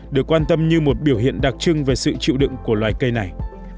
được quan tâm như một biểu hiện đặc trưng về sự chịu đựng của loài cây này